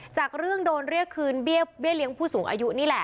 จากเรื่องโดนเรียกคืนเบี้ยเลี้ยงผู้สูงอายุนี่แหละ